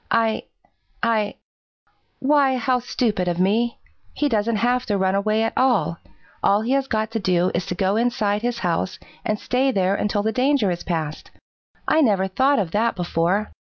I I why, how stupid of me! He doesn't have to run away at all! All he has got to do is to go inside his house and stay there until the danger is past! I never thought of that before.